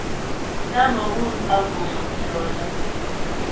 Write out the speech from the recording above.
Kamerun bə guŋ mtʉɔ̌dəŋ.